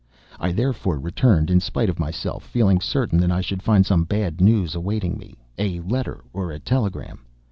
I, therefore, returned in spite of myself, feeling certain that I should find some bad news awaiting me, a letter or a telegram.